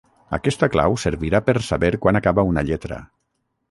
Aquesta clau servirà per saber quan acaba una lletra.